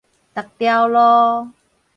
逐條路